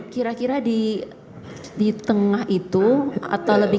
kira kira di tengah itu atau lebih ke bawah